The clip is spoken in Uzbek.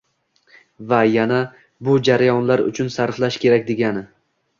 Va yana, bu jarayonlar uchun sarflash kerak degani